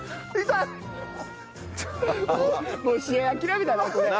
もう試合諦めたなこれ。